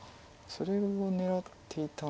それを狙っていた。